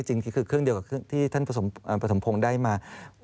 จริงคือเครื่องเดียวกับเครื่องที่ท่านประสมพงศ์ได้มา